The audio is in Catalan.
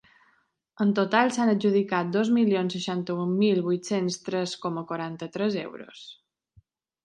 En total, s’han adjudicat dos milions seixanta-un mil vuit-cents tres coma quaranta-tres euros.